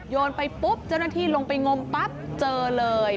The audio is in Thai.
โยนไปปุ๊บเจ้าหน้าที่ลงไปงมปั๊บเจอเลย